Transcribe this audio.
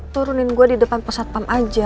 turunin gue di depan pusat pam aja